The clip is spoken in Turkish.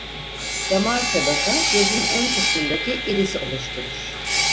Damar tabaka gözün ön kısmındaki irisi oluşturur.